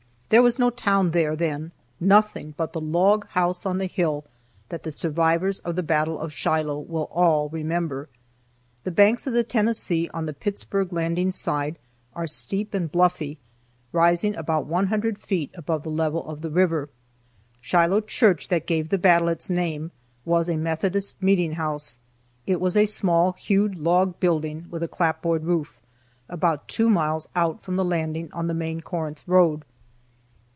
There was no town there then, nothing but "the log house on the hill" that the survivors of the battle of Shiloh will all remember. The banks of the Tennessee on the Pittsburg Landing side are steep and bluffy, rising about 100 feet above the level of the river. Shiloh church, that gave the battle its name, was a Methodist meeting house. It was a small, hewed log building with a clapboard roof, about two miles out from the landing on the main Corinth road.